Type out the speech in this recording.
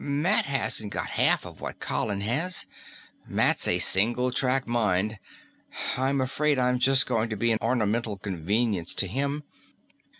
Matt hasn't got half of what Colin has; Matt's a single track mind. I'm afraid I'm just going to be an ornamental convenience to him.